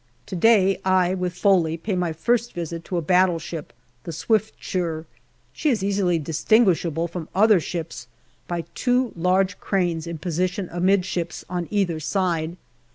To day, I, with Foley, pay my first visit to a battleship, the Swiftsure. She is easily distinguishable from other ships by two large cranes in position amidships on either side.